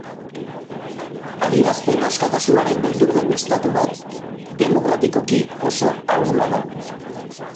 Adierazpen askatasunaren beldur den estatu bat demokratikoki oso ahula da.